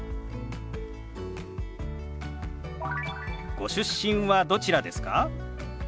ご出身はどちらですか？